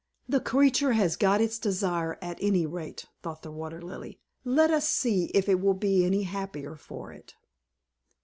"The creature has got its desire at any rate," thought the Water Lily. "Let us see if it will be any the happier for it."